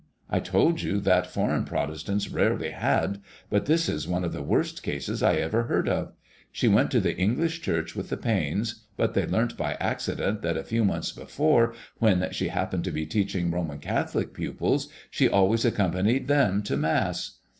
I told you that foreign Protestants rarely had ; but this is one of the worst cases I ever heard of. She went to the English Church with the Paynes, but they learnt by accident that a few months before, when she happened to be teaching Roman Catholic pupils, she always ac companied them to mass.